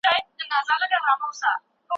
سوداګري له مطالعې او تحقیق پرته مه کوه.